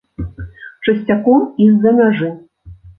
Часцяком і з-за мяжы.